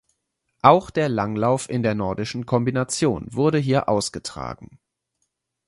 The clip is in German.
Auch der Langlauf in der Nordischen Kombination wurde hier ausgetragen.